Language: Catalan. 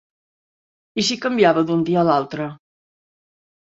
I si canviava d'un dia a l'altre?